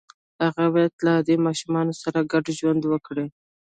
هغه باید له عادي ماشومانو سره ګډ ژوند وکړي